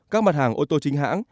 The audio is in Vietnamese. các mặt hàng ô tô chính hãng